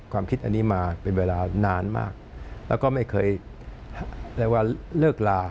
ความคิดอันนี้มาเป็นเวลานานมากแล้วก็ไม่เคยเรียกว่าเลิกลา